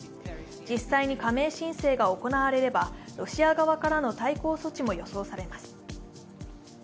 実際に加盟申請が行われればロシア側からの対抗措置も予想されます。